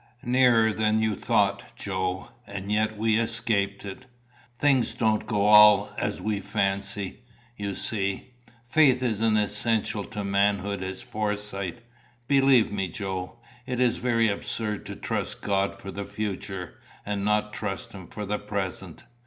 "Nearer than you thought, Joe; and yet we escaped it. Things don't go all as we fancy, you see. Faith is as essential to manhood as foresight believe me, Joe. It is very absurd to trust God for the future, and not trust him for the present.